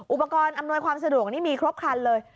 อุปกรณ์อำนวยความสะดวกนี่มีครบคันเลย